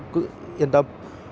cứ yên tâm